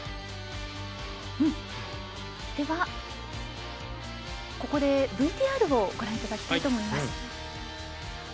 では、ここでＶＴＲをご覧いただきます。